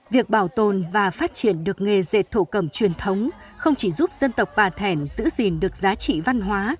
việc bảo tồn và phát triển được nghề dệt thổ cẩm truyền thống không chỉ giúp dân tộc bà thẻn giữ gìn được giá trị văn hóa